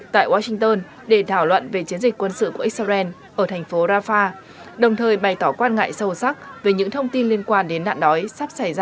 tại washington để thảo luận về chiến dịch quân sự của israel ở thành phố rafah đồng thời bày tỏ quan ngại sâu sắc về những thông tin liên quan đến nạn đói sắp xảy ra